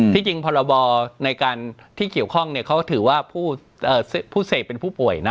จริงพรบในการที่เกี่ยวข้องเขาถือว่าผู้เสพเป็นผู้ป่วยนะ